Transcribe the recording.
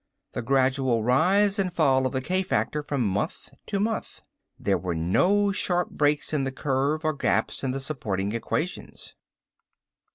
The gradual rise and fall of the k factor from month to month. There were no sharp breaks in the curve or gaps in the supporting equations.